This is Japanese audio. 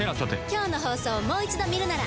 今日の放送をもう一度見るなら。